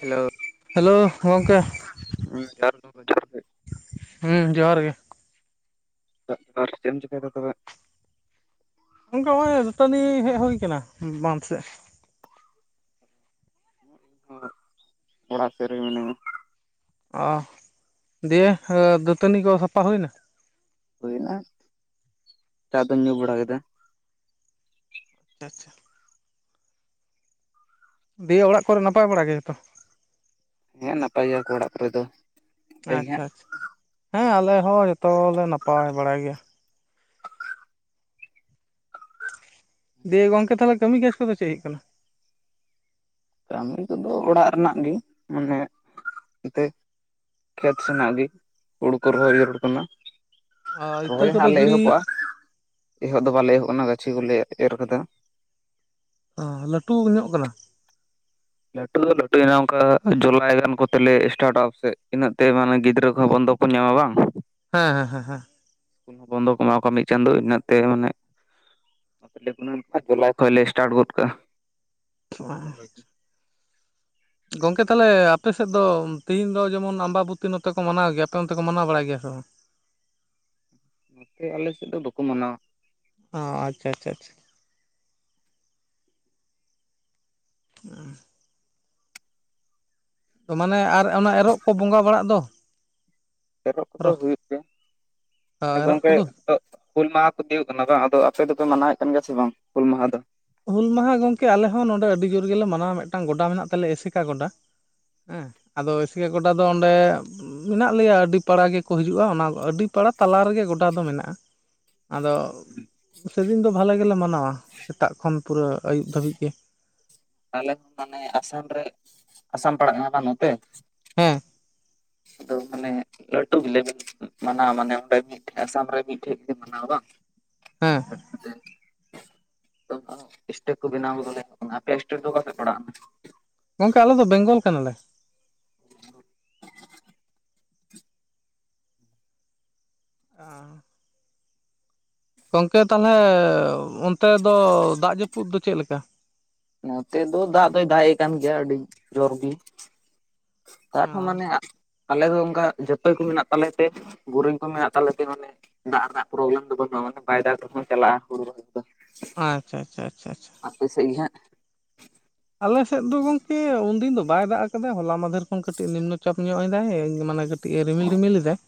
Hello hello ᱜᱚᱝᱠᱮ ᱦᱮᱸ ᱡᱚᱦᱟᱨ ᱜᱚᱢᱠᱮ ᱡᱚᱦᱟᱨ ᱜᱮ ᱦᱚᱸ ᱡᱚᱦᱟᱨ ᱜᱮ᱾ ᱟᱨ ᱪᱮᱫ ᱮᱢ ᱪᱮᱠᱟᱭᱫᱟ ᱛᱚᱵᱮ? ᱚᱱᱠᱟ ᱱᱚᱜᱼᱚᱭ ᱫᱟᱹᱛᱟᱹᱱᱤ ᱦᱮᱡ ᱦᱩᱭ ᱠᱟᱱᱟ ᱵᱟᱸᱫᱽ ᱥᱮᱫ᱾ ᱦᱚᱭ ᱚᱲᱟᱜ ᱥᱮᱫ ᱨᱮ ᱢᱤᱱᱟᱹᱧᱟ᱾ ᱚᱻ ᱫᱤᱭᱮ ᱫᱟᱹᱛᱟᱹᱱᱤ ᱠᱚ ᱥᱟᱯᱷᱟ ᱦᱩᱭᱱᱟ᱾ ᱦᱩᱭ ᱱᱟ ᱪᱟ ᱫᱚᱧ ᱧᱩ ᱵᱟᱲᱟ ᱠᱮᱫᱟ᱾ ᱟᱪᱪᱷᱟ᱾ ᱫᱤᱭᱮ ᱚᱲᱟᱜ ᱠᱚᱨᱮ ᱱᱟᱯᱟᱭ ᱵᱟᱲᱟ ᱜᱮ ᱡᱚᱛᱚ? ᱦᱮᱸ ᱱᱟᱯᱟᱭ ᱜᱮᱭᱟ ᱠᱚ ᱚᱲᱟᱜ ᱠᱚᱨᱮ ᱫᱚ᱾ ᱱᱟᱯᱟᱭ ᱜᱮ ᱟᱪᱪᱷᱟᱻ ᱦᱟᱸᱜ ᱟᱪᱪᱷᱟᱻ ᱦᱮᱸ ᱟᱞᱮ ᱦᱚᱸ ᱡᱚᱛᱚ ᱞᱮ ᱱᱟᱯᱟᱭ ᱵᱟᱲᱟ ᱜᱮᱭᱟ᱾ ᱫᱤᱭᱮ ᱜᱚᱝᱠᱮ ᱛᱟᱦᱚᱞᱮ ᱠᱟᱹᱢᱤ ᱠᱟᱡᱽ ᱠᱚᱫᱚ ᱪᱮᱫ ᱦᱩᱭᱩᱜ ᱠᱟᱱᱟ? ᱠᱟᱹᱢᱤ ᱠᱚᱫᱚ ᱚᱲᱟᱜ ᱨᱮᱱᱟᱜ ᱜᱮ ᱢᱟᱱᱮ ᱮᱱᱛᱮ᱾ ᱠᱷᱮᱛ ᱥᱮᱱᱟᱜ ᱜᱮ ᱦᱩᱲᱩ ᱠᱚ ᱨᱚᱦᱚᱭ ᱡᱟᱹᱨᱩᱲ ᱠᱟᱱᱟ᱾ ᱟᱨ ᱨᱚᱦᱚᱭ ᱤᱛᱟᱹ ᱠᱚᱫᱚ ᱦᱟᱸᱜ ᱞᱮ ᱜᱤᱲᱤ ᱮᱦᱚᱵᱚᱜᱼᱟ, ᱮᱦᱚᱵ ᱫᱚ ᱵᱟᱞᱮ ᱮᱦᱚᱵ ᱠᱟᱱᱟ ᱜᱟᱹᱪᱷᱤ ᱠᱚᱞᱮ ᱮᱨ ᱠᱟᱫᱟ᱾ ᱚᱸᱻᱞᱟᱹᱴᱩ ᱧᱚᱜ ᱠᱟᱱᱟ᱾ ᱞᱟᱹᱴᱩ ᱫᱚ ᱞᱟᱹᱴᱩᱭᱱᱟ ᱚᱱᱠᱟ ᱡᱩᱞᱟᱭ ᱜᱟᱱ ᱠᱚᱛᱮᱞᱮ ᱥᱴᱟᱴᱚᱜᱼᱟ ᱯᱟᱥᱮᱜ, ᱤᱱᱟᱹᱜ ᱛᱮ ᱢᱟᱱᱮ ᱜᱤᱫᱽᱨᱟᱹ ᱠᱚᱦᱚᱸ ᱵᱚᱱᱫᱚ ᱯᱩᱱᱧᱟ ᱢᱟ ᱵᱟᱝ ᱦᱮᱸᱻ ᱦᱮᱸᱻ ᱦᱮᱻ ᱦᱮᱸᱻ᱾ ᱵᱚᱱᱫᱚ ᱠᱚ ᱮᱢᱟᱣ ᱠᱚᱣᱟ ᱢᱤᱫ ᱪᱟᱸᱫᱳ ᱤᱱᱟᱹᱜ ᱛᱮ ᱢᱟᱱᱮ ᱵᱟᱞᱮ ᱜᱩᱱᱟᱹᱱ ᱠᱷᱟᱡ ᱡᱩᱞᱟᱭ ᱠᱷᱚᱡ ᱞᱮ ᱥᱴᱟᱴ ᱜᱚᱜ ᱠᱟᱜᱼᱟ᱾ ᱚ ᱨᱚᱦᱚᱭ ᱠᱚ [unintelligible] ᱜᱚᱝᱠᱮ ᱛᱟᱦᱚᱞᱮ ᱟᱯᱮ ᱥᱮᱫ ᱫᱚ ᱛᱮᱤᱦᱤᱧ ᱫᱚ ᱡᱮᱢᱚᱱ ᱟᱢᱵᱟᱵᱚᱛᱤ ᱱᱚᱛᱮ ᱠᱚ ᱢᱟᱱᱟᱣ ᱜᱮᱭᱟ᱾ ᱟᱯᱮ ᱚᱱᱛᱮ ᱠᱚ ᱢᱟᱱᱟᱣ ᱵᱟᱲᱟᱭ ᱜᱮᱭᱟ ᱥᱮ ᱵᱟᱝ? ᱱᱚᱛᱮ ᱟᱞᱮ ᱥᱮᱫ ᱫᱚ ᱵᱟᱠᱚ ᱢᱟᱱᱟᱣᱟ᱾ ᱚᱻ ᱟᱪᱪᱷᱟᱻ ᱟᱪᱪᱷᱟᱻ ᱟᱪᱪᱷᱟᱻ᱾ ᱟᱸᱻ᱾ ᱛᱚ ᱢᱟᱱᱮ ᱟᱨ ᱚᱱᱟ ᱮᱨᱚᱜ ᱠᱚ ᱵᱚᱸᱜᱟ ᱵᱟᱲᱟᱜ ᱫᱚ ᱮᱨᱚᱜ ᱠᱚᱫᱚ ᱨᱚ ᱦᱩᱭᱩᱜ ᱜᱮᱭᱟ᱾ ᱟᱪᱪᱷᱟ ᱮᱨᱚᱜ ᱜᱚᱝᱠᱮ? ᱠᱚᱫᱚ ᱛᱚ ᱦᱩᱞ ᱢᱟᱦᱟ ᱠᱚ ᱛᱤᱭᱳᱜᱚᱜ ᱠᱟᱱᱟ ᱵᱟᱝ, ᱟᱫᱚ ᱟᱯᱮ ᱫᱚᱯᱮ ᱢᱟᱱᱟᱣᱭᱮᱜ ᱠᱟᱱ ᱜᱮᱭᱟ ᱥᱮ ᱵᱟᱝ, ᱦᱩᱞ ᱢᱟᱦᱟ ᱫᱚ? ᱦᱩᱞ ᱢᱟᱦᱟ ᱜᱚᱝᱠᱮ ᱟᱞᱮ ᱦᱚᱸ ᱱᱚᱰᱮ ᱟᱹᱰᱤ ᱡᱳᱨ ᱜᱮᱞᱮ ᱢᱟᱱᱟᱣᱟ᱾ ᱢᱤᱫ ᱴᱟᱝ ᱜᱚᱰᱟ ᱢᱮᱱᱟᱜ ᱛᱟᱞᱮᱭᱟ ᱮᱥᱮᱠᱟ ᱜᱚᱰᱟ᱾ ᱦᱮᱸ ᱟᱫᱚ ᱮᱥᱮᱠᱟ ᱜᱚᱰᱟ ᱫᱚ ᱚᱸᱰᱮ ᱢᱮᱱᱟᱜ ᱞᱮᱭᱟ ᱟᱹᱰᱤ ᱯᱟᱲᱟ ᱜᱮᱠᱚ ᱦᱤᱡᱩᱜᱼᱟ᱾ ᱚᱱᱟ ᱟᱹᱰᱤ ᱯᱟᱲᱟ ᱛᱟᱞᱟ ᱨᱮᱜᱮ ᱜᱚᱰᱟ ᱫᱚ ᱢᱮᱱᱟᱜᱼᱟ᱾ ᱟᱫᱚ ᱥᱮᱫᱤᱱ ᱫᱚ ᱵᱷᱟᱞᱮ ᱜᱮᱞᱮ ᱢᱟᱱᱟᱣᱟ᱾ ᱥᱮᱛᱟᱜ ᱠᱷᱚᱱ ᱯᱩᱨᱟᱹ ᱟᱹᱭᱩᱵ ᱫᱷᱟᱹᱵᱤᱡ ᱜᱮ᱾ ᱟᱞᱮ ᱦᱚᱸ ᱢᱟᱱᱮ ᱟᱥᱟᱢ ᱨᱮ ᱟᱥᱟᱢ ᱯᱟᱲᱟᱜ ᱠᱟᱱᱟ ᱵᱟᱝ ᱱᱚᱛᱮ ᱦᱮᱸ ᱟᱫᱚ ᱢᱟᱱᱮ ᱞᱟᱹᱴᱩ ᱵᱤᱞᱮᱵ ᱜᱮ ᱢᱟᱱᱟᱣ ᱢᱟᱱᱮ ᱚᱸᱰᱮ ᱢᱤᱫ ᱴᱷᱮᱡ ᱟᱥᱟᱢ ᱨᱮ ᱢᱤᱫ ᱴᱷᱮᱡ ᱜᱮ ᱢᱟᱱᱟᱣᱟ ᱫᱟ ᱦᱮᱸ [unintelligible] ᱥᱴᱮᱠ ᱠᱚ ᱵᱮᱱᱟᱣ ᱠᱚᱫᱚᱞᱮ ᱠᱟᱱᱟ ᱟᱯᱮᱭᱟᱜ ᱥᱴᱮᱠ ᱫᱚ ᱚᱠᱟᱯᱮ ᱯᱟᱲᱟᱜ-ᱟ ᱜᱚᱝᱠᱮ ᱟᱞᱮᱫᱚ ᱵᱮᱝᱜᱚᱞ ᱠᱟᱱᱟᱞᱮ᱾ ᱟᱨ ᱜᱚᱝᱠᱮ ᱛᱟᱦᱚᱞᱮ ᱚᱱᱛᱮ ᱫᱚ ᱫᱟᱜ ᱡᱟᱹᱯᱩᱫ ᱫᱚ ᱪᱮᱫ ᱞᱮᱠᱟ? ᱱᱚᱛᱮ ᱫᱚ ᱫᱟᱜ ᱫᱚᱭ ᱫᱟᱜ ᱮ ᱠᱟᱱ ᱜᱮᱭᱟ ᱟᱹᱰᱤ ᱡᱳᱨ ᱜᱮ᱾ ᱚ ᱟᱨᱦᱚᱸ ᱢᱟᱱᱮ ᱟᱞᱮ ᱫᱚ ᱚᱱᱠᱟ ᱡᱟᱹᱛᱚᱭ ᱠᱚ ᱢᱮᱱᱟᱜ ᱛᱟᱞᱮ ᱛᱮ ᱵᱩᱨᱩᱝ ᱠᱚ ᱢᱮᱱᱟᱜ ᱛᱟᱞᱮ ᱛᱮ ᱢᱟᱱᱮ ᱫᱟᱜ ᱨᱮᱱᱟᱜ ᱯᱨᱚᱵᱽᱞᱮᱢ ᱫᱚ ᱵᱟᱹᱱᱩᱜᱼᱟ ᱢᱟᱱᱮ ᱵᱟᱭᱡᱟᱨ ᱠᱚ ᱪᱟᱞᱟᱜᱼᱟ ᱦᱩᱲᱩ ᱨᱚᱦᱚᱭ ᱫᱚ ᱟᱪᱪᱷᱟ ᱟᱪᱷᱟ ᱟᱪᱷᱟ ᱟᱪᱪᱷᱟ ᱟᱯᱮ ᱥᱮᱫ ᱜᱮ ᱦᱟᱜ? ᱟᱞᱮ ᱥᱮᱫ ᱫᱚ ᱜᱚᱢᱠᱮ ᱩᱱᱫᱤᱱ ᱫᱚ ᱵᱟᱭ ᱫᱟᱜ ᱟᱠᱟᱫᱟ᱾ ᱦᱚᱞᱟ ᱢᱟᱫᱷᱮᱨ ᱠᱷᱚᱱ ᱠᱟᱹᱴᱤᱡ ᱱᱤᱢᱱᱚ ᱪᱟᱯ ᱧᱚᱜ ᱮᱫᱟᱭ ᱢᱟᱱᱮ ᱠᱟᱹᱴᱤᱡ ᱠᱟᱹᱴᱤᱡ ᱮ ᱨᱤᱢᱤᱞ ᱨᱤᱢᱤᱞ ᱮᱫᱟᱭ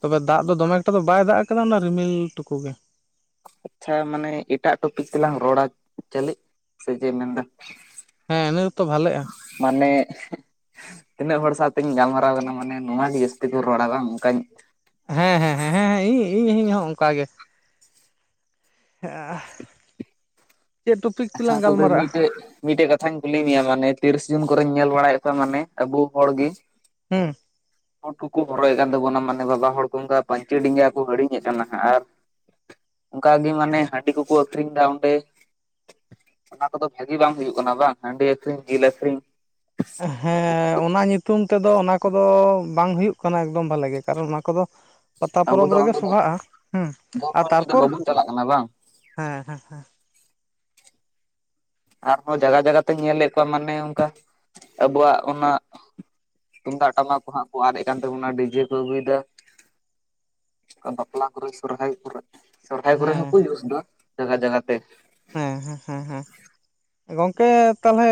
ᱛᱚᱵᱮ ᱫᱟᱜ ᱫᱚ ᱫᱚᱢᱮ ᱮᱠᱴᱟ ᱫᱚ ᱵᱟᱭ ᱫᱟᱜ ᱟᱠᱟᱫᱟ ᱚᱱᱟ ᱨᱤᱢᱤᱞ ᱴᱩᱠᱩ ᱜᱮ ᱟᱪᱪᱷᱟ ᱢᱟᱱᱮ ᱮᱴᱟᱜ ᱴᱚᱯᱤᱠ ᱛᱮᱞᱟᱝ ᱨᱚᱲᱟ ᱪᱟᱹᱞᱤ ᱥᱮ ᱪᱮᱫ ᱢᱮᱱᱫᱟ ᱦᱮᱸ ᱤᱱᱟᱹᱜ ᱝᱮᱛᱚ ᱵᱷᱟᱞᱮᱜᱼᱟ ᱢᱟᱱᱮ ᱛᱤᱱᱟᱹᱜ ᱦᱚᱲ ᱥᱟᱶᱛᱤᱧ ᱜᱟᱞᱢᱟᱨᱟᱣ ᱠᱟᱱᱟ ᱢᱟᱱᱮ ᱱᱚ ᱜᱮ ᱡᱟᱹᱥᱛᱤ ᱠᱚ ᱨᱚᱲᱟ ᱵᱟᱝ ᱚᱱᱠᱟ ᱦᱮᱸ ᱦᱮᱸ ᱦᱮ ᱦᱮᱸ ᱦᱮᱸ ᱤᱧ ᱤᱧ ᱦᱚᱸ ᱚᱱᱠᱟ ᱜᱮ᱾ ᱦᱮᱸ ᱪᱮᱫ ᱴᱚᱯᱤᱠ ᱟᱪᱪᱷᱟ ᱛᱮᱞᱟᱝ ᱛᱚᱵᱮ ᱜᱟᱞᱢᱟᱨᱟᱜᱼᱟ? ᱢᱤᱫᱴᱮᱡ ᱢᱤᱫᱴᱮᱡ ᱠᱟᱛᱷᱟᱧ ᱠᱩᱞᱤ ᱢᱮᱭᱟ ᱢᱟᱱᱮ ᱛᱤᱨᱤᱥ ᱡᱩᱱ ᱠᱚᱨᱮᱧ ᱧᱮᱞ ᱵᱟᱲᱟᱭᱮᱫ ᱠᱚᱣᱟ ᱢᱟᱱᱮ ᱟᱵᱚ ᱦᱚᱲ ᱜᱮ ᱦᱮᱸ ᱵᱩᱴ ᱠᱚᱠᱚ ᱦᱚᱨᱚᱭᱮᱫ ᱠᱟᱱ ᱛᱟᱵᱚᱱᱟ ᱢᱟᱱᱮ ᱵᱟᱵᱟ ᱦᱚᱲ ᱠᱚ ᱚᱱᱠᱟ ᱯᱟᱹᱧᱪᱤ ᱰᱮᱸᱜᱟ ᱠᱚ ᱦᱤᱲᱤᱧ ᱮᱫ ᱠᱟᱱᱟ ᱦᱟᱸᱜ ᱟᱨ ᱚᱱᱠᱟ ᱜᱮ ᱢᱟᱱᱮ ᱦᱟᱺᱰᱤ ᱠᱚᱠᱚ ᱟᱠᱷᱨᱤᱧ ᱮᱫᱟ ᱚᱸᱰᱮ ᱚᱱᱟ ᱠᱚᱫᱚ ᱵᱷᱟᱜᱤ ᱵᱟᱝ ᱦᱩᱭᱩᱜ ᱠᱟᱱᱟ ᱵᱟᱝ ᱦᱟᱺᱰᱤ ᱟᱹᱠᱷᱨᱤᱧ ᱡᱤᱞ ᱟᱠᱷᱨᱤᱧ ᱦᱮᱸ ᱚᱱᱟ ᱧᱩᱛᱩᱢ ᱛᱮᱫᱚ ᱚᱱᱟ ᱠᱚᱫᱚ ᱵᱟᱝ ᱦᱩᱭᱩᱜ ᱠᱟᱱᱟ ᱮᱠᱫᱚᱢ ᱵᱷᱟᱞᱮᱜ ᱜᱮ ᱠᱟᱨᱚᱱ ᱚᱱᱟ ᱠᱚᱫᱚ ᱯᱟᱛᱟ ᱟᱵᱚ ᱯᱚᱨᱚᱵᱽ ᱫᱚ ᱨᱮᱜᱮ ᱚᱸᱰᱮ ᱫᱚ ᱥᱚᱵᱷᱟᱜᱼᱟ᱾ ᱦᱮᱸ ᱡᱚᱢ ᱧᱩ ᱟᱨ ᱞᱟᱹᱜᱤᱫ ᱫᱚ ᱛᱟᱨᱯᱚᱨ ᱵᱟᱵᱚᱱ ᱪᱟᱞᱟᱜ ᱠᱟᱱᱟ ᱵᱟᱝ ᱦᱮᱸ ᱦᱮᱸ ᱟᱨᱦᱚᱸ ᱡᱟᱭᱜᱟ ᱡᱟᱭᱜᱟ ᱛᱤᱧ ᱧᱮᱞᱮᱫ ᱠᱚᱣᱟ ᱢᱟᱱᱮ ᱚᱱᱠᱟ ᱟᱵᱚᱣᱟᱜ ᱚᱱᱟ ᱛᱩᱢᱫᱟᱜ ᱴᱟᱢᱟᱠ ᱠᱚ ᱦᱟᱸᱜ ᱠᱚ ᱟᱫ ᱮᱫ ᱠᱟᱱ ᱛᱟᱵᱚᱱᱟ ᱰᱤᱡᱮ ᱠᱚ ᱟᱹᱜᱩᱭ ᱮᱫᱟ ᱵᱟᱯᱞᱟ ᱠᱚᱨᱮ ᱥᱚᱨᱦᱟᱭ ᱠᱚᱨᱮ ᱥᱚᱨᱚᱦᱟᱭ ᱠᱚᱨᱮ ᱦᱮᱸ ᱦᱚᱸᱠᱚ ᱤᱭᱩᱥ ᱮᱫᱟ ᱡᱟᱭᱜᱟ ᱡᱟᱭᱜᱟ ᱛᱮ ᱦᱮᱸ ᱦᱮᱸ ᱦᱮᱸ ᱦᱮᱸ ᱜᱚᱝᱠᱮ ᱛᱟᱦᱚᱞᱮ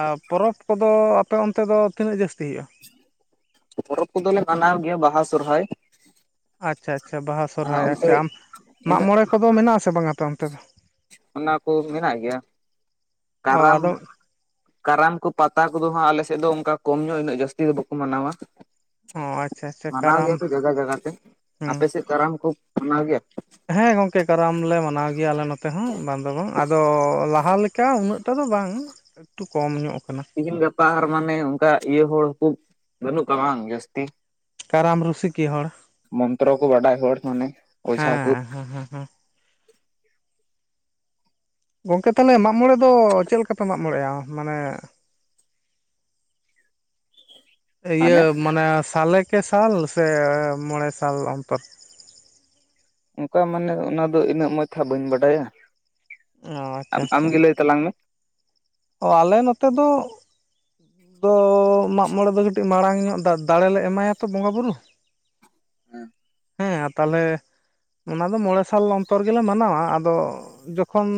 ᱟᱨ ᱯᱚᱨᱚᱵᱽ ᱠᱚᱫᱚ ᱟᱯᱮ ᱚᱱᱛᱮ ᱫᱚ ᱛᱤᱱᱟᱹᱜ ᱡᱟᱹᱥᱛᱤ ᱦᱩᱭᱩᱜᱼᱟ ᱯᱚᱨᱚᱵᱽ ᱠᱚᱫᱚᱞᱮ ᱢᱟᱱᱟᱣ ᱜᱮᱭᱟ ᱵᱟᱦᱟ ᱥᱚᱨᱦᱟᱭ ᱟᱪᱪᱷᱟ ᱟᱪᱪᱷᱟ ᱵᱟᱦᱟ ᱥᱚᱨᱚᱦᱟᱭ ᱟᱪᱪᱷᱟ ᱟᱢ ᱚᱱᱛᱮ ᱢᱟᱜᱽ ᱤᱱᱟᱹᱜ ᱢᱚᱬᱮ ᱠᱚᱫᱚ ᱢᱮᱱᱟᱜ ᱟᱥᱮ ᱵᱟᱝ ᱟᱯᱮ ᱚᱱᱛᱮ ᱫᱚ ᱚᱱᱟ ᱠᱚ ᱢᱮᱱᱟᱜ ᱜᱮᱭᱟ᱾ ᱚ ᱠᱟᱨᱟᱢ ᱟᱫᱚ ᱠᱟᱨᱟᱢ ᱠᱚ ᱯᱟᱛᱟ ᱠᱚᱫᱚ ᱦᱟᱸᱜ ᱟᱞᱮᱥᱮᱫ ᱫᱚ ᱚᱱᱠᱟ ᱠᱚᱢ ᱧᱚᱜ ᱩᱱᱟᱹᱜ ᱡᱟᱹᱥᱛᱤ ᱫᱚ ᱵᱟᱠᱚ ᱢᱟᱱᱟᱣᱟ ᱚ ᱟᱪᱪᱷᱟ ᱟᱪᱪᱷᱟ ᱢᱟᱱᱟᱣ ᱠᱟᱨᱟᱢ ᱜᱮᱭᱟ ᱠᱚ ᱡᱟᱭᱜᱟ ᱡᱟᱭᱜᱟ ᱛᱮ ᱦᱩᱸ ᱟᱯᱮ ᱥᱮᱫ ᱠᱟᱨᱟᱢ ᱠᱚ ᱢᱟᱱᱟᱣ ᱜᱮᱭᱟ ᱦᱮᱸ ᱜᱚᱝᱠᱮ ᱠᱟᱨᱟᱢ ᱞᱮ ᱢᱟᱱᱟᱣ ᱜᱮᱭᱟ ᱟᱞᱮ ᱱᱚᱛᱮ ᱛᱮᱦᱚᱸ ᱵᱟᱝ ᱫᱚ ᱵᱟᱝ ᱟᱫᱚ ᱞᱟᱦᱟ ᱞᱮᱠᱟ ᱩᱱᱟᱹᱜ ᱴᱟᱜ ᱫᱚ ᱵᱟᱝ ᱮᱠᱴᱩ ᱠᱚᱢ ᱧᱚᱜ ᱟᱠᱟᱱᱟ᱾ ᱛᱮᱦᱮᱧ ᱜᱟᱯᱟ ᱟᱨ ᱢᱟᱱᱮ ᱚᱱᱠᱟ ᱤᱭᱟᱹ ᱦᱚᱲ ᱠᱚ ᱵᱟᱹᱱᱩᱜ ᱠᱚᱣᱟ ᱵᱟᱝ ᱡᱟᱹᱥᱛᱤ ᱠᱟᱨᱟᱢ ᱨᱩᱥᱤᱠᱤᱭᱟᱹ ᱦᱚᱲ ᱢᱚᱱᱛᱨᱚ ᱠᱚ ᱵᱟᱰᱟᱭ ᱦᱚᱲ ᱢᱟᱱᱮ ᱚᱡᱷᱟ ᱠᱚ ᱦᱮᱸ ᱦᱮᱸ ᱦᱮᱸ ᱜᱚᱝᱠᱮ ᱛᱟᱦᱚᱞᱮ ᱢᱟᱜᱽ ᱢᱚᱬᱮ ᱫᱚ ᱪᱮᱫ ᱞᱮᱠᱟ ᱯᱮ ᱢᱟᱜᱽ ᱢᱚᱬᱮᱭᱟ ᱢᱟᱱᱮ [inaudible] ᱤᱭᱟᱹ ᱢᱟᱱᱮ ᱥᱟᱞᱮ ᱠᱮ ᱥᱟᱞ ᱥᱮ ᱢᱚᱬᱮ ᱥᱟᱞ ᱚᱱᱛᱚᱨ ᱚᱱᱠᱟ ᱢᱟᱱᱮ ᱚᱱᱟᱫᱚ ᱤᱱᱟᱹᱜ ᱢᱚᱡᱽ ᱦᱟᱸᱜ ᱵᱟᱹᱧ ᱵᱟᱰᱟᱭᱟ ᱚ ᱟᱪᱪᱷᱟ ᱟᱪᱪᱷᱟ ᱟᱢᱜᱮ ᱞᱟᱹᱭ ᱛᱟᱞᱟᱝ ᱢᱮ ᱚ ᱟᱞᱮ ᱱᱚᱛᱮ ᱫᱚ ᱫᱚ ᱢᱟᱜᱢᱚᱬᱮ ᱫᱚ ᱠᱟᱹᱴᱤᱡ ᱢᱟᱲᱟᱝ ᱧᱚᱜ ᱫᱟᱲᱮᱞᱮ ᱮᱢᱟᱭᱟᱛᱚ ᱵᱚᱸᱜᱟ ᱵᱩᱨᱩ ᱦᱮᱸ ᱦᱮᱸ ᱛᱟᱦᱚᱞᱮ ᱚᱱᱟ ᱫᱚ ᱢᱚᱬᱮ ᱥᱟᱞ ᱚᱱᱛᱚᱨ ᱜᱮᱞᱮ ᱢᱟᱱᱟᱣᱟ ᱟᱫᱚ ᱡᱚᱠᱷᱚᱱ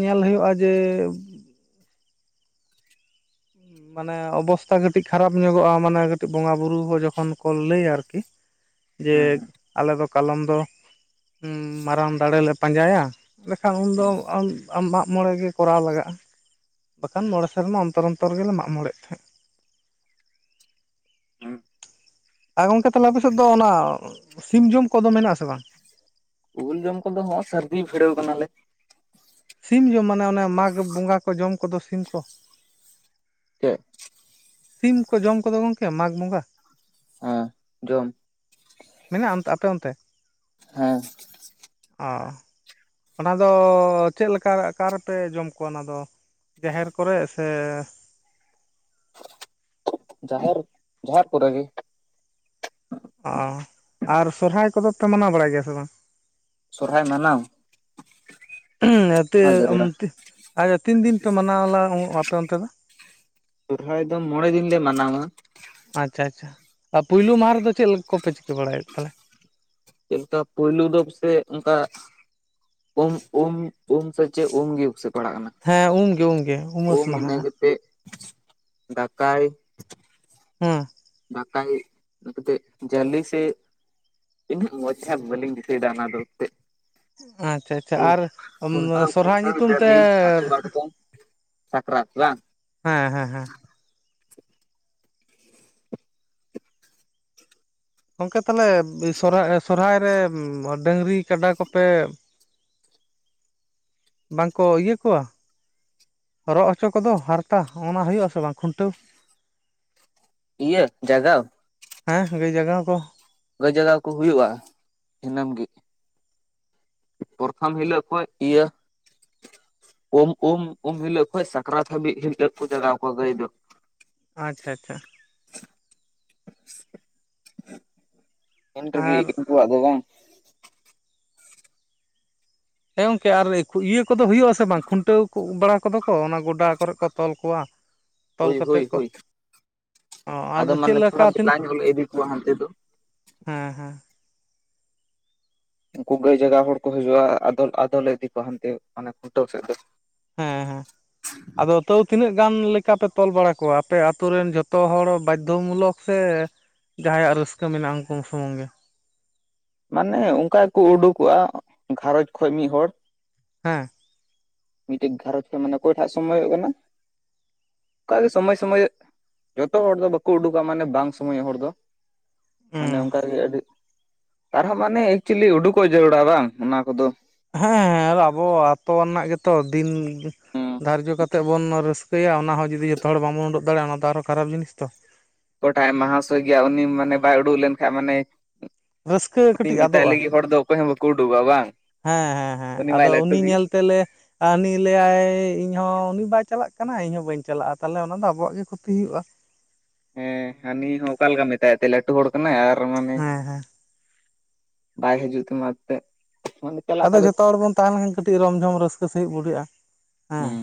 ᱧᱮᱞ ᱦᱩᱭᱩᱜᱼᱟ ᱡᱮ ᱢᱟᱱᱮ ᱚᱵᱚᱥᱛᱟ ᱠᱟᱹᱴᱤᱡ ᱠᱷᱟᱨᱟᱯ ᱧᱚᱜᱚᱜᱼᱟ ᱢᱟᱱᱮ ᱠᱟᱹᱴᱤᱡ ᱵᱚᱸᱜᱟ ᱵᱩᱨᱩ ᱡᱚᱠᱷᱚᱱ ᱠᱚ ᱞᱟᱹᱭᱟ ᱟᱨᱠᱤ᱾ [inaudible] ᱡᱮ ᱦᱩᱸ ᱦᱩᱸ ᱟᱞᱮ ᱫᱚ ᱠᱟᱞᱚᱢ ᱫᱚ ᱢᱟᱨᱟᱝ ᱫᱟᱲᱮᱞᱮ ᱯᱟᱸᱡᱟᱭᱟ ᱾ ᱞᱮᱠᱷᱟ ᱩᱱᱫᱚ ᱢᱟᱜᱢᱚᱬᱮ ᱜᱮ ᱠᱚᱨᱟᱣ ᱫᱟᱲᱮᱭᱟᱜᱼᱟ ᱾ ᱵᱟᱠᱷᱟᱱ ᱢᱚᱬᱮ ᱥᱮᱨᱢᱟ ᱚᱱᱛᱚᱨ ᱚᱱᱛᱚᱨ ᱜᱮᱞᱮ ᱢᱟᱜ ᱢᱚᱬᱮᱜ ᱛᱟᱦᱮᱸᱜ [inaudible] ᱮᱸ ᱜᱚᱝᱠᱮ ᱛᱟᱞᱮ ᱟᱯᱮᱥᱮᱫ ᱫᱚ ᱚᱱᱟ ᱥᱤᱢ ᱡᱚᱢ ᱠᱚᱫᱚ ᱢᱮᱱᱟᱜ ᱟᱥᱮ ᱵᱟᱝ ᱾ ᱩᱞ ᱡᱚᱢ ᱠᱚᱫᱚ ᱦᱚᱸ ᱥᱟᱹᱨᱫᱤ ᱯᱷᱤᱲᱟᱹᱣ ᱠᱟᱱᱟᱞᱮ ᱾ ᱥᱤᱢ ᱡᱚᱢ ᱢᱟᱱᱮ ᱚᱱᱮ ᱢᱟᱜᱽ ᱵᱚᱸᱜᱟ ᱠᱚ ᱡᱚᱢ ᱠᱚᱫᱚ ᱥᱤᱢ ᱠᱚ ᱾ ᱪᱮᱜ ᱥᱤᱢ ᱠᱚ ᱡᱚᱢ ᱠᱚᱫᱚ ᱜᱚᱢᱠᱮ ᱢᱟᱜᱽ ᱵᱚᱸᱜᱟ ᱾ ᱦᱟᱸ ᱡᱚᱢ ᱾ ᱢᱮᱱᱟᱜᱼᱟ ᱟᱯᱮ ᱚᱱᱛᱮ ᱦᱮᱸ ᱚ ᱚᱱᱟ ᱫᱚ ᱪᱮᱫ ᱞᱮᱠᱟ ᱟᱠᱟᱨ ᱯᱮ ᱡᱚᱢ ᱠᱚᱣᱟ ᱚᱱᱟ ᱫᱚ ᱾ ᱡᱟᱦᱮᱨ ᱠᱚᱨᱮ ᱥᱮ᱾ ᱡᱟᱦᱮᱨ ᱡᱟᱦᱮᱨ ᱠᱚᱨᱮ ᱜᱮ ᱾ ᱚ ᱟᱨ ᱥᱚᱨᱦᱟᱭ ᱠᱚᱫᱚ ᱯᱮ ᱢᱟᱱᱟᱣ ᱵᱟᱲᱟᱭ ᱜᱮᱭᱟ ᱥᱮ ᱵᱟᱝ ᱾ ᱥᱚᱨᱚᱦᱟᱭ ᱢᱟᱱᱟᱣ ᱚᱱᱟ ᱡᱟᱹᱨᱩᱲᱟ [unintelligible] ᱛᱤᱱᱫᱤᱱ ᱯᱮ ᱢᱟᱱᱟᱣᱞᱟ ᱟᱯᱮ ᱚᱱᱛᱮ ᱫᱚ? ᱥᱚᱨᱦᱟᱭ ᱫᱚ ᱢᱚᱬᱮ ᱫᱤᱱ ᱞᱮ ᱢᱟᱱᱟᱣᱟ ᱾ ᱟᱪᱪᱷᱟ ᱟᱪᱪᱷᱟ ᱟᱨ ᱯᱩᱭᱞᱩ ᱢᱟᱦᱟ ᱨᱮᱫᱚ ᱪᱮᱞ ᱠᱚᱯᱮ ᱪᱤᱠᱟᱹ ᱵᱟᱲᱟᱭᱮᱫ ᱛᱟᱦᱚᱞᱮ ᱾ ᱪᱮᱞᱠᱟ ᱯᱩᱭᱞᱩᱯ ᱫᱚᱯ ᱥᱮ ᱚᱱᱠᱟ ᱾ ᱩᱢ ᱩᱢ ᱩᱢ ᱥᱮ ᱪᱮᱫ ᱩᱢᱜᱮ ᱩᱥᱮᱵ ᱯᱟᱲᱟᱜ ᱠᱟᱱᱟ ᱾ ᱦᱮᱸ ᱩᱢᱜᱮ ᱩᱢᱜᱮ ᱩᱢᱟᱹᱥ ᱢᱟᱦᱟ ᱾ ᱰᱟᱠᱟᱭ ᱦᱩᱸ ᱰᱟᱠᱟ ᱜᱮᱡ ᱡᱟᱹᱞᱤ ᱥᱮ [unintelligible] ᱤᱱᱟᱹ ᱢᱚᱡᱽ ᱫᱮᱡᱟᱜ ᱵᱟᱞᱤᱧ ᱫᱤᱥᱟᱹᱭᱫᱟ ᱟᱱᱟ ᱛᱮᱜ ᱟᱪᱪᱷᱟ ᱟᱪᱪᱷᱟ ᱟᱨ ᱥᱚᱨᱦᱟᱭ ᱧᱩᱛᱩᱢ ᱛᱮ [unintelligible] ᱥᱟᱠᱨᱟᱛ ᱵᱟᱝ ᱦᱮᱸ ᱦᱮᱸ ᱦᱮᱸ ᱜᱚᱢᱠᱮ ᱛᱟᱞᱮ ᱥᱚᱨᱦᱟᱭ ᱥᱚᱨᱦᱟᱭ ᱨᱮ ᱰᱟᱹᱝᱨᱤ ᱠᱟᱰᱟ ᱠᱚᱯᱮ ᱵᱟᱝᱠᱚ ᱤᱭᱟᱹ ᱠᱚᱣᱟ ᱨᱚᱜ ᱦᱚᱪᱚ ᱠᱚᱫᱚ ᱦᱟᱨᱛᱟ ᱚᱱᱟ ᱦᱩᱭᱩᱜ ᱥᱮ ᱵᱟᱝ ᱠᱷᱩᱱᱴᱟᱹᱣ ᱾ ᱤᱭᱟᱹ ᱡᱟᱜᱟᱣ ᱾ ᱦᱮᱸ ᱜᱟᱹᱭ ᱡᱟᱜᱟᱣ ᱠᱚ ᱜᱟᱹᱭ ᱡᱟᱜᱟᱣ ᱠᱚ ᱦᱩᱭᱩᱜᱼᱟ ᱫᱤᱱᱟᱹᱢ ᱜᱤ ᱾ ᱯᱨᱚᱛᱷᱚᱢ ᱦᱤᱞᱳᱜ ᱠᱷᱚᱱ ᱤᱭᱟᱹ ᱩᱢ ᱩᱢ ᱩᱢ ᱦᱤᱞᱳᱜ ᱠᱷᱚᱡ ᱥᱟᱠᱨᱟᱛ ᱦᱟᱹᱵᱤᱡ ᱦᱤᱞᱳᱜ ᱠᱚ ᱡᱟᱜᱟᱣ ᱠᱚᱣᱟ ᱜᱟᱹᱭ ᱫᱚ ᱾ ᱟᱪᱪᱷᱟ ᱟᱪᱪᱷᱟ ᱟᱨ [unintelligible] ᱩᱱᱠᱩᱣᱟᱜ ᱫᱚ ᱵᱟᱝ ᱦᱮᱸ ᱜᱚᱝᱠᱮ ᱟᱨ ᱤᱭᱟᱹ ᱠᱚᱫᱚ ᱦᱩᱭᱩᱜᱼᱟ ᱥᱮ᱾ ᱛᱮ ᱵᱟᱝ ᱠᱷᱩᱱᱴᱟᱹᱣ ᱵᱟᱲᱟ ᱠᱚᱫᱚ ᱠᱚ ᱚᱱᱟ ᱜᱚᱰᱟ ᱠᱚᱨᱮ ᱠᱚ ᱛᱚᱞ ᱠᱚᱣᱟ ᱾ ᱦᱳᱭ ᱦᱳᱭ ᱦᱳᱭ ᱚ ᱟᱫᱚ ᱢᱟᱱ ᱪᱮᱫ ᱞᱮᱠᱟ ᱛᱤᱱ [unintelligible] ᱤᱫᱤ ᱠᱚᱣᱟ ᱦᱟᱱᱛᱮ ᱫᱚ ᱾ ᱦᱮᱸ ᱦᱮᱸ ᱩᱱᱠᱩ ᱜᱟᱹᱭ ᱡᱟᱜᱟᱣ ᱦᱚᱲ ᱠᱚ ᱦᱤᱡᱩᱜᱼᱟ ᱟᱫᱚᱞ ᱟᱫᱚᱞᱮ ᱤᱫᱤ ᱠᱚᱣᱟ ᱦᱟᱱᱛᱮ ᱢᱟᱱᱮ ᱠᱷᱩᱱᱴᱟᱹᱣ ᱥᱮᱫ ᱫᱚ ᱾ ᱦᱮᱸ ᱦᱮᱸ ᱟᱫᱚ ᱛᱟᱹᱣ ᱛᱤᱱᱟᱹᱜ ᱜᱟᱱ ᱞᱮᱠᱟᱯᱮ ᱛᱚᱞ ᱵᱟᱲᱟ ᱠᱚᱣᱟ ᱟᱯᱮ ᱟᱛᱳ ᱨᱮᱱ ᱡᱚᱛᱚ ᱦᱚᱲ ᱵᱟᱫᱽᱫᱷᱚ ᱢᱩᱞᱚᱠ ᱥᱮ ᱡᱟᱦᱟᱸᱭᱟᱜ ᱨᱟᱹᱥᱠᱟᱹ ᱢᱮᱱᱟᱜᱼᱟ ᱩᱱᱠᱩ ᱥᱩᱢᱩᱝ ᱜᱮ ᱢᱟᱱᱮ ᱚᱱᱠᱟ ᱜᱮᱠᱚ ᱩᱰᱩᱠᱚᱜᱼᱟ ᱜᱷᱟᱨᱚᱸᱡᱽ ᱠᱷᱚᱡ ᱢᱤᱫ ᱦᱚᱲᱚᱲ ᱦᱮᱸ ᱢᱤᱫᱴᱮᱡ ᱜᱷᱟᱨᱚᱧᱡᱽ ᱠᱷᱚᱱ ᱢᱟᱱᱮ ᱚᱠᱚᱭ ᱴᱟᱜ ᱥᱚᱢᱚᱭᱚᱜ ᱠᱟᱱᱟ ᱚᱱᱠᱟᱜᱮ ᱥᱚᱢᱚᱭ ᱥᱚᱢᱚᱭ ᱡᱚᱛᱚ ᱦᱚᱲ ᱫᱚ ᱵᱟᱝ ᱠᱚ ᱩᱰᱩᱠᱚᱜᱟ ᱢᱟᱱᱮ ᱵᱟᱝ ᱥᱚᱢᱚᱭ ᱦᱚᱲ ᱫᱚ ᱢᱟᱱᱮ ᱦᱩᱸ ᱚᱱᱠᱟ ᱨᱮᱜᱮ ᱟᱹᱰᱤ ᱟᱨᱦᱚᱸ ᱢᱟᱱᱮ ᱮᱠᱪᱮᱞᱤ ᱩᱰᱩᱠᱚᱜ ᱡᱟᱹᱨᱩᱲᱟ ᱵᱟᱝ ᱚᱱᱟ ᱠᱚᱫᱚ ᱦᱮᱸ ᱟᱵᱚ ᱟᱹᱛᱩ ᱨᱮᱱᱟᱜ ᱜᱮᱛᱚ ᱫᱤᱱ ᱫᱷᱟᱨᱡᱚ ᱠᱟᱛᱮᱫ ᱵᱚᱱ ᱨᱟᱹᱥᱠᱟᱹᱭᱟ ᱚᱱᱟ ᱦᱚᱸ ᱡᱩᱫᱤ ᱡᱚᱛᱚ ᱦᱚᱲ ᱵᱟᱵᱚᱱ ᱩᱰᱳᱠ ᱫᱟᱲᱮᱭᱟᱜᱼᱟ ᱚᱱᱟ ᱫᱚ ᱟᱨᱦᱚᱸ ᱠᱷᱟᱨᱟᱯ ᱡᱤᱱᱤᱥ ᱛᱚ ᱚᱠᱚᱭᱴᱟᱜ ᱢᱟᱦᱟᱥᱚᱭ ᱜᱮᱭᱟ ᱩᱱᱤ ᱢᱟᱱᱮ ᱵᱟᱭ ᱩᱰᱩᱠ ᱞᱮᱱᱠᱷᱟᱱᱡ ᱢᱟᱱᱮ ᱨᱟᱹᱥᱠᱟᱹ ᱩᱱᱤ ᱠᱟᱹᱴᱤᱡ ᱢᱮᱛᱟᱭ ᱟᱫᱚᱜᱼᱟ ᱞᱟᱹᱜᱤᱫ ᱦᱚᱲ ᱫᱚ ᱚᱠᱚᱭ ᱦᱚᱸ ᱵᱟᱠᱚ ᱩᱰᱩᱠᱚᱜ ᱟ ᱵᱟᱝ ᱦᱮᱸ ᱦᱮᱸ ᱦᱮᱸ ᱩᱱᱤ ᱢᱟᱭ ᱟᱫᱚ ᱞᱟᱹᱴᱩ ᱜᱮ ᱧᱮᱞ ᱛᱮᱞᱮ ᱟᱱᱤ ᱞᱟᱹᱭᱟᱭ ᱤᱧᱦᱚᱸ ᱩᱱᱤ ᱵᱟᱭ ᱪᱟᱞᱟᱜ ᱠᱟᱱᱟ ᱤᱧ ᱦᱚᱸ ᱵᱟᱹᱧ ᱪᱟᱞᱟᱜᱼᱟ ᱛᱟᱦᱚᱞᱮ ᱚᱱᱟ ᱫᱚ ᱟᱵᱚᱣᱟᱜ ᱜᱮ ᱠᱷᱚᱛᱤ ᱦᱩᱭᱩᱜᱼᱟ ᱦᱮᱸ ᱦᱟᱱᱤ ᱦᱚᱸ ᱚᱠᱟ ᱞᱮᱠᱟᱢ ᱢᱮᱛᱟᱭ ᱛᱮ ᱞᱟᱹᱴᱩ ᱦᱚᱲ ᱠᱟᱱᱟᱭ ᱟᱨ ᱢᱟᱱᱮ ᱦᱮᱸ ᱦᱮᱸ ᱵᱟᱭ ᱡᱩᱛᱩ ᱢᱟ ᱛᱮ ᱟᱫᱚ ᱡᱷᱚᱛᱚ ᱦᱚᱲ ᱵᱚᱱ ᱛᱟᱦᱮᱸ ᱞᱮᱱᱠᱷᱟᱱ ᱠᱟᱹᱴᱤᱡ ᱨᱚᱢ ᱡᱷᱚᱢ ᱨᱟᱹᱥᱠᱟᱹ ᱥᱟᱹᱦᱤᱡ ᱵᱩᱰᱟᱹᱜᱼᱟ ᱦᱮᱸ ᱦᱩᱸ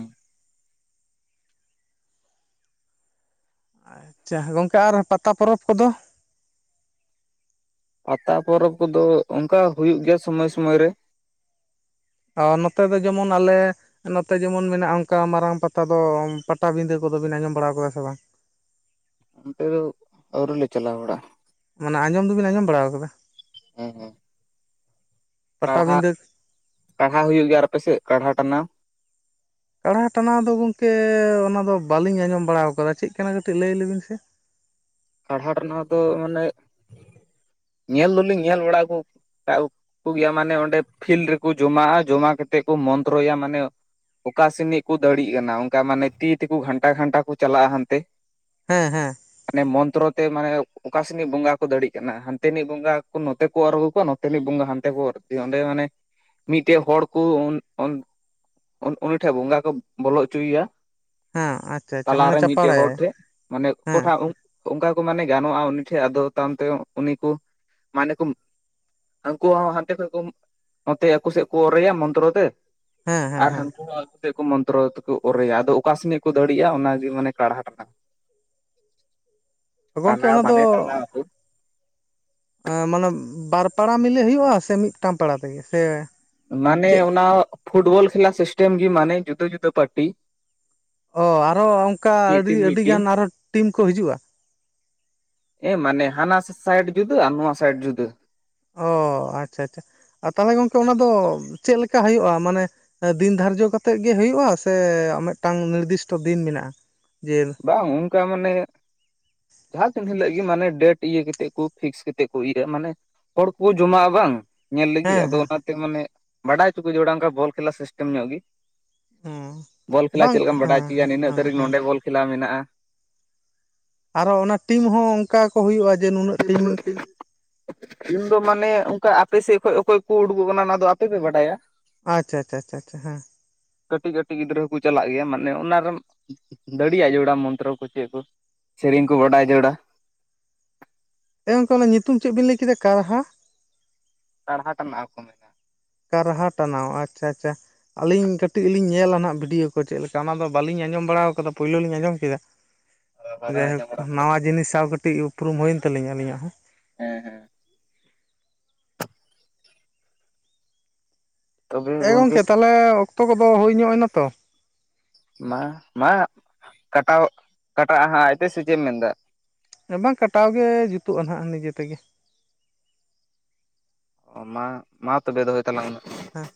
ᱪᱷᱟ ᱜᱚᱝᱠᱮ ᱟᱨ ᱯᱟᱛᱟ ᱯᱚᱨᱚᱵᱽ ᱠᱚᱫᱚ ᱯᱟᱛᱟ ᱯᱚᱨᱚᱵᱽ ᱠᱚᱫᱚ ᱚᱱᱠᱟ ᱦᱩᱭᱩᱜ ᱜᱮᱭᱟ ᱥᱚᱢᱳᱭ ᱥᱩᱢᱳᱭ ᱨᱮ ᱟ ᱱᱚᱛᱮ ᱫᱚ ᱡᱮᱢᱚᱱ ᱟᱞᱮ ᱱᱚᱛᱮ ᱡᱮᱢᱚᱱ ᱢᱮᱱᱟᱜᱼᱟ ᱚᱱᱠᱟ ᱢᱟᱨᱟᱝ ᱯᱟᱛᱟ ᱫᱚ ᱯᱟᱛᱟᱵᱤᱸᱫᱟᱹ ᱠᱚᱫᱚ ᱵᱤᱱ ᱟᱸᱡᱚᱢ ᱵᱟᱲᱟ ᱠᱟᱫᱟ ᱥᱮ ᱵᱟᱝ ᱚᱱᱛᱮ ᱫᱚ ᱟᱣᱨᱤ ᱞᱮ ᱪᱟᱞᱟᱣ ᱵᱟᱲᱟᱜ-ᱟ ᱢᱟᱱᱮ ᱟᱸᱡᱚᱢ ᱫᱚᱵᱤᱱ ᱟᱸᱡᱚᱢ ᱵᱟᱲᱟ ᱟᱠᱟᱫᱟ ᱦᱮ ᱦᱮ ᱠᱟᱲᱦᱟ ᱯᱟᱴᱟᱵᱤᱸᱫᱟᱹ ᱯᱟᱲᱦᱟᱣ ᱦᱩᱭᱩᱜ ᱜᱮᱭᱟ ᱟᱨ ᱠᱟᱛᱷᱟ ᱛᱟᱱᱟ ᱠᱟᱲᱦᱟ ᱴᱟᱱᱟᱣ ᱫᱚ ᱜᱚᱝᱠᱮ ᱚᱱᱟ ᱫᱚ ᱵᱟᱹᱞᱤᱧ ᱟᱸᱡᱚᱢ ᱵᱟᱲᱟ ᱟᱠᱟᱫᱟ ᱪᱮᱫ ᱠᱟᱱᱟ ᱠᱟᱹᱴᱤᱡ ᱞᱟᱹᱭ ᱞᱮᱵᱤᱱ ᱥᱮ ᱯᱟᱲᱦᱟ ᱴᱟᱱᱟ ᱫᱚ ᱢᱟᱱᱮ ᱧᱮᱞ ᱫᱚᱞᱤᱧ ᱧᱮᱞ ᱵᱟᱲᱟ ᱠᱩ ᱠᱚ ᱜᱮᱭᱟ ᱢᱟᱱᱮ ᱚᱸᱰᱮ ᱯᱷᱤᱞᱰ ᱨᱮᱠᱚ ᱡᱚᱢᱟᱜᱼᱟ, ᱡᱚᱢᱟ ᱠᱟᱛᱮᱫ ᱠᱚ ᱢᱚᱱᱛᱨᱚᱭᱟ ᱢᱟᱱᱮᱼᱼ ᱚᱠᱟᱥᱤᱱᱤᱡ ᱠᱚ ᱫᱟᱲᱮᱜ ᱠᱟᱱᱟ ᱚᱱᱠᱟ ᱢᱟᱱᱮ ᱛᱤ ᱛᱮᱠᱚ ᱜᱷᱟᱱᱴᱟ ᱜᱷᱟᱱᱴᱟ ᱠᱚ ᱪᱟᱞᱟᱜᱼᱟ ᱦᱟᱱᱛᱮ ᱦᱮᱸ ᱦᱮᱸ ᱦᱟᱱᱮ ᱢᱚᱱ ᱛᱨᱚ ᱛᱮ ᱢᱟᱱᱮ ᱚᱠᱟᱥᱮᱱᱤᱡ ᱵᱚᱸᱜᱟ ᱠᱚ ᱫᱟᱲᱮᱜ ᱠᱟᱱᱟ ᱦᱟᱱᱛᱮᱱᱤᱡ ᱵᱚᱸᱜᱟ ᱠᱚ ᱱᱚᱛᱮ ᱠᱚ ᱚᱨ ᱟᱜᱩ ᱠᱚᱣᱟ ᱱᱚᱛᱮᱱᱤᱡ ᱵᱚᱸᱜᱟ ᱦᱟᱱᱛᱮ ᱠᱚ ᱚᱨ ᱚᱸᱰᱮ ᱢᱟᱱᱮ ᱢᱤᱫᱴᱮᱡ ᱦᱚᱲ ᱠᱚ [inaudible] ᱩᱱ ᱩᱱᱤ ᱴᱷᱮᱱ ᱵᱚᱸᱜᱟ ᱠᱚ ᱵᱚᱞᱚ ᱚᱪᱚᱭᱮᱭᱟ ᱦᱮᱸ ᱟᱪᱪᱷᱟ ᱟᱪᱪᱷᱟ ᱢᱟᱱᱮ ᱛᱟᱞᱟᱨᱮ ᱢᱤᱫᱴᱮᱡ ᱦᱚᱲ ᱪᱟᱯᱟᱲᱟᱭᱟᱭ ᱴᱷᱮᱱ ᱢᱟᱱᱮ ᱦᱮᱸ ᱚᱠᱚᱴᱟᱜ ᱚᱱᱠᱟ ᱠᱚ ᱢᱟᱱᱮ ᱜᱟᱱᱚᱜᱼᱟ ᱩᱱᱤ ᱴᱷᱮᱡ ᱟᱫᱚ ᱛᱟᱭᱚᱢ ᱛᱮ ᱩᱱᱤ ᱠᱚ ᱢᱟᱱᱮ ᱠᱚ ᱩᱱᱠᱩ ᱦᱚᱸ ᱦᱟᱱᱛᱮ ᱠᱷᱚᱡ ᱠᱚ ᱱᱚᱛᱮ ᱟᱠᱚ ᱥᱮᱫ ᱠᱚ ᱚᱨᱮᱭᱟ ᱢᱚᱱᱛᱨᱚ ᱛᱮ ᱦᱮᱸ ᱦᱮᱸ ᱟᱨ ᱦᱮᱸ ᱦᱟᱱᱠᱩ ᱦᱚ ᱫᱮᱠᱚ ᱢᱚᱱᱛᱨᱚ ᱛᱮᱠᱚ ᱚᱨᱮᱭᱟ ᱟᱫᱚ ᱚᱠᱟᱥᱱᱤᱡ ᱠᱚ ᱫᱟᱹᱲᱮᱜᱼᱟ ᱚᱱᱟᱜᱮ ᱢᱟᱱᱮ ᱠᱟᱬᱦᱟ ᱨᱟᱠᱟ ᱜᱚᱝᱠᱮ ᱴᱟᱱᱟᱣ ᱚᱱᱟ ᱫᱚ ᱢᱟᱱᱮ ᱴᱟᱱᱟᱣ ᱟᱠᱚ ᱢᱟᱱᱮ ᱵᱟᱨᱯᱟᱲᱟ ᱢᱤᱞᱤ ᱦᱩᱭᱩᱜᱼᱟ ᱥᱮ ᱢᱤᱫᱴᱟᱝ ᱯᱟᱲᱟ ᱛᱮᱜᱮ ᱥᱮ ᱢᱟᱱᱮ ᱪᱮᱫ ᱚᱱᱟ ᱯᱷᱩᱴᱵᱚᱞ ᱠᱷᱮᱞᱟ ᱥᱤᱥᱴᱮᱢ ᱜᱮ ᱢᱟᱱᱮ ᱡᱩᱫᱟᱹ ᱡᱩᱫᱟᱹ ᱯᱟᱴᱤ ᱚ ᱟᱨᱚ ᱚᱱᱠᱟ ᱢᱤᱫ ᱟᱹᱰᱤ ᱴᱤᱢ ᱢᱤᱫ ᱟᱹᱰᱤ ᱴᱤᱢ ᱜᱟᱱ ᱟᱨᱚ ᱴᱤᱢ ᱠᱚ ᱦᱤᱡᱩᱜᱼᱟ ᱮ ᱢᱟᱱᱮ ᱦᱟᱱᱟ ᱥᱟᱭᱤᱰ ᱡᱩᱫᱟᱹ ᱟᱨ ᱱᱚᱣᱟ ᱥᱟᱭᱤᱰ ᱡᱩᱫᱟᱹ ᱚ ᱟᱪᱪᱷᱟ ᱟᱪᱪᱷᱟ ᱛᱟᱦᱚᱞᱮ ᱜᱚᱝᱠᱮ ᱚᱱᱟ ᱫᱚ ᱪᱮᱫ ᱞᱮᱠᱟ ᱦᱩᱭᱩᱜᱼᱟ ᱢᱟᱱᱮ ᱫᱤᱱ ᱫᱷᱟᱨᱡᱚ ᱠᱟᱛᱮᱜ ᱜᱮ ᱦᱩᱭᱩᱜᱼᱟ ᱥᱮ ᱢᱤᱫᱴᱟᱝ ᱱᱤᱨᱫᱤᱥᱴᱚ ᱫᱤᱱ ᱢᱮᱱᱟᱜᱼᱟ ᱡᱮ ᱵᱟᱝ ᱚᱱᱠᱟ ᱢᱟᱱᱮ ᱡᱟᱦᱟᱸ ᱛᱤᱱ ᱦᱤᱞᱟᱹᱜ ᱜᱮ ᱢᱟᱱᱮ ᱰᱮᱴ ᱤᱭᱟᱹ ᱠᱟᱛᱮ ᱠᱚ ᱯᱷᱥ ᱠᱟᱛᱮ ᱠᱚ ᱤᱭᱟᱹ ᱢᱟᱱᱮ ᱦᱚᱲ ᱠᱚ ᱡᱚᱢᱟᱜᱼᱟ ᱵᱟᱝ ᱧᱮᱞ ᱦᱮᱸ ᱞᱟᱹᱜᱤᱫ ᱦᱮᱸ ᱚᱱᱟᱛᱮ ᱢᱟᱱᱮ [unintelligible] ᱵᱚᱞ ᱠᱷᱮᱞᱟ ᱥᱤᱥᱴᱮᱢ ᱧᱚᱜ ᱜᱮ ᱦᱮᱸ ᱵᱚᱞ ᱠᱷᱮᱞᱟ ᱵᱟᱝ ᱪᱮᱫ ᱞᱮᱠᱟᱢ ᱵᱟᱰᱟᱭ ᱦᱮᱸ ᱦᱚᱪᱚᱭ ᱭᱟ ᱦᱮᱸ ᱱᱤᱱᱟᱹᱜ ᱦᱮᱸ ᱛᱟᱹᱨᱤᱠᱷ ᱦᱮᱸ ᱱᱚᱸᱰᱮ ᱵᱚᱞ ᱠᱷᱮᱞᱟ ᱢᱮᱱᱟᱜᱼᱟ ᱟᱨᱚ ᱚᱱᱟ ᱴᱤᱢ ᱦᱚᱸ ᱚᱱᱠᱟ ᱠᱚ ᱦᱩᱭᱩᱜᱼᱟ ᱡᱮ ᱱᱩᱱᱟᱹᱜ ᱴᱤᱢ ᱤᱧᱫᱚ ᱢᱟᱱᱮ ᱚᱱᱠᱟ ᱟᱯᱮ ᱥᱮᱫ ᱠᱷᱚᱱᱚᱡ ᱚᱠᱚᱭ ᱠᱚ ᱩᱰᱩᱠᱚᱜ ᱠᱟᱱᱟ ᱚᱱᱟ ᱫᱚ ᱟᱯᱮᱯᱮ ᱵᱟᱰᱟᱭᱟ ᱟᱪᱷᱟᱪᱷᱟᱪᱷᱟ ᱦᱮᱸ ᱠᱟᱹᱴᱤᱡ ᱠᱟᱹᱴᱤᱡ ᱜᱤᱫᱽᱨᱟᱹ ᱦᱚᱸᱠᱚ ᱪᱟᱞᱟᱜ ᱜᱮᱭᱟ ᱢᱟᱱᱮ ᱚᱱᱟᱨᱮ ᱫᱟᱲᱮᱭᱟᱜ ᱡᱚᱲᱟ ᱢᱚᱱᱛᱨᱚ ᱠᱚ ᱪᱮᱫ ᱠᱚ ᱥᱮᱨᱮᱧ ᱠᱚ ᱵᱟᱰᱟᱭ ᱡᱟᱹᱲᱩᱨᱟ ᱮ ᱜᱚᱝᱠᱮ ᱚᱱᱟ ᱧᱩᱛᱩᱢ ᱪᱮᱫ ᱵᱤᱱ ᱞᱟᱹᱭ ᱠᱮᱫᱟ ᱠᱟᱨᱦᱟ ᱛᱟᱲᱦᱟ ᱴᱟᱱᱟᱜ ᱦᱚᱸ ᱠᱚ ᱢᱮᱱ ᱠᱟᱨᱦᱟ ᱴᱟᱱᱟᱣ ᱟᱪᱪᱷᱟ ᱟᱪᱪᱷᱟ ᱟᱹᱞᱤᱧ ᱠᱟᱹᱴᱤᱡ ᱞᱤᱧ ᱧᱮᱞᱟ ᱦᱟᱸᱜ ᱵᱷᱤᱰᱭᱳ ᱠᱚ ᱪᱮᱫ ᱞᱮᱠᱟ ᱚᱱᱟ ᱫᱚ ᱵᱟᱞᱤᱧ ᱟᱸᱡᱚᱢ ᱵᱟᱲᱟ ᱠᱟᱫᱟ ᱯᱳᱭᱞᱳ ᱞᱤᱧ ᱟᱸᱡᱚᱢ ᱠᱮᱫᱟ ᱢᱮᱱᱟ ᱵᱟᱵᱮᱱ ᱡᱟᱭᱦᱳᱠ ᱟᱸᱡᱚᱢ ᱵᱟᱲᱟ ᱟᱠᱟᱫᱟ ᱱᱟᱣᱟ ᱡᱤᱱᱤᱥ ᱥᱟᱶ ᱠᱟᱹᱴᱤᱡ ᱩᱯᱨᱩᱢ ᱦᱩᱭᱮᱱ ᱛᱟᱞᱤᱧᱟ ᱟᱞᱤᱧᱟᱜ ᱦᱚᱸ ᱦᱮᱸ ᱦᱮᱸ ᱛᱚᱵᱮ ᱮᱸ ᱜᱚᱝᱠᱮ ᱜᱚᱢᱠᱮ ᱛᱟᱦᱚᱞᱮ ᱚᱠᱛᱚ ᱠᱚᱫᱚ ᱦᱩᱭ ᱧᱚᱜ ᱮᱱᱟ ᱛᱚ ᱢᱟ ᱢᱟ ᱠᱟᱴᱟᱣᱚᱜ ᱠᱟᱴᱟᱜ ᱟᱦᱟᱜ ᱟᱭᱛᱮ ᱥᱮ ᱪᱮᱫ ᱮᱢ ᱢᱮᱱ ᱮᱫᱟ ᱵᱟᱝ ᱠᱟᱴᱟᱣ ᱜᱮ ᱡᱩᱛᱩᱜᱼᱟ ᱱᱟᱦᱟᱜ ᱱᱤᱡᱮ ᱛᱮᱜᱮ ᱚ ᱢᱟ ᱢᱟ ᱛᱚᱵᱮ ᱫᱚᱦᱚᱭ ᱛᱟᱞᱟᱝ ᱢᱮ ᱦᱮᱸ